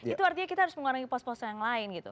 itu artinya kita harus mengurangi pos pos yang lain gitu